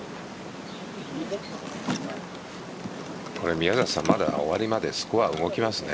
宮里さん、まだ終わりまでスコア動きますね。